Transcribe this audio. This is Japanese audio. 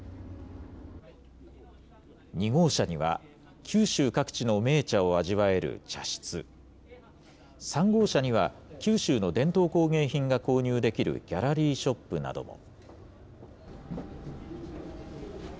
２号車には九州各地の銘茶を味わえる茶室、３号車には九州の伝統工芸品が購入できるギャラリーショップなども。